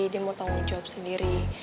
dia mau tanggung jawab sendiri